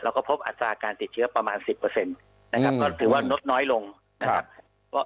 เราก็พบอัตราการติดเชื้อประมาณสิบเปอร์เซ็นต์นะครับก็ถือว่านดน้อยลงนะครับ